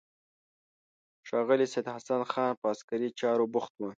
ښاغلی سید حسن خان په عسکري چارو بوخت و.